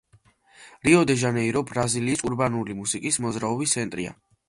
რიო-დე-ჟანეირო ბრაზილიის ურბანული მუსიკის მოძრაობის ცენტრია.